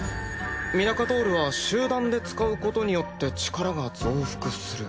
ミナカトールは集団で使うことによって力が増幅する。